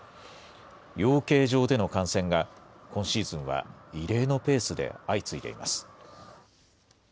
養鶏場での感染が、今シーズンは異例のペースで相次いでいます。